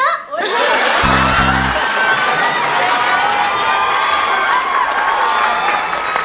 เนี่ยคุณพี่ไม่แบบนั้งนะ